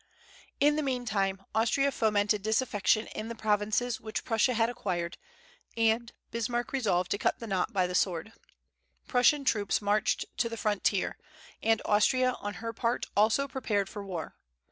In the meantime Austria fomented disaffection in the provinces which Prussia had acquired, and Bismarck resolved to cut the knot by the sword. Prussian troops marched to the frontier, and Austria on her part also prepared for war.